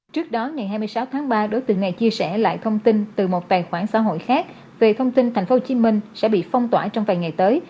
trước đó ngày hai mươi sáu tháng ba đối tượng này chia sẻ lại thông tin từ một tài khoản xã hội khác về thông tin tp hcm sẽ bị phong tỏa trong vài ngày tới